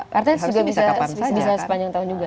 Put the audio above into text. kartens bisa sepanjang tahun juga